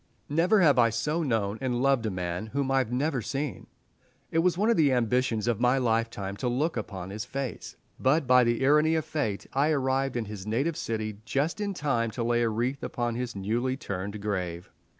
Never have I so known and loved a man whom I had never seen. It was one of the ambitions of my lifetime to look upon his face, but by the irony of Fate I arrived in his native city just in time to lay a wreath upon his newly turned grave.